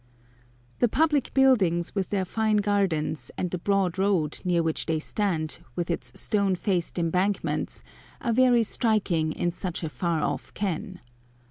The public buildings, with their fine gardens, and the broad road near which they stand, with its stone faced embankments, are very striking in such a far off ken.